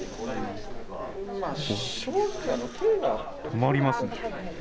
止まりますね。